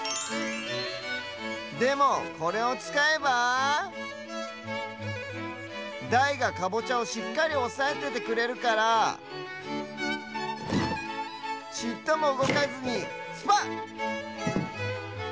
でもこれをつかえばだいがかぼちゃをしっかりおさえててくれるからちっともうごかずにスパッ！